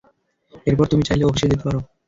এরপর তুমি চাইলে অফিসে যেতে পারো।